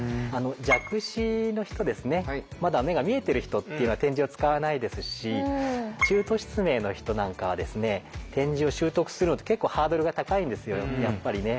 弱視の人ですねまだ目が見えてる人っていうのは点字を使わないですし中途失明の人なんかはですね点字を習得するのって結構ハードルが高いんですよやっぱりね。